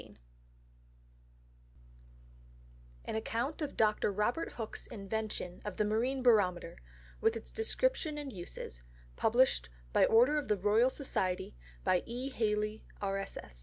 _An Account of Dr. Robert Hook's Invention of the Marine Barometer, with its Description and Uses; published by order of the Royal Society, by E. Halley, R.